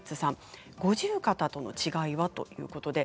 五十肩との違いはということです。